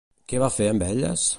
Què va fer amb elles?